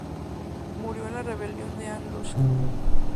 Murió en la rebelión de An Lushan.